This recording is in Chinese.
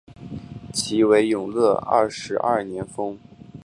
其为永乐二十二年封。